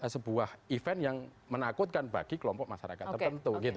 sebuah event yang menakutkan bagi kelompok masyarakat tertentu